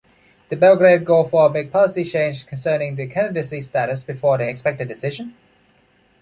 Did Belgrade go for a big policy change concerning the candidacy status before the expected decision?